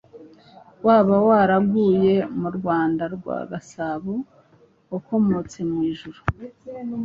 waba waraguye mu Rwanda rwa Gasabo akomotse mu ijuru.